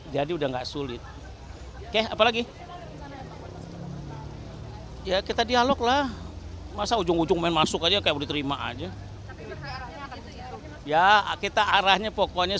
ya kita dialog lah masa ujung ujung main masuk aja kayak boleh terima aja ya kita arahnya pokoknya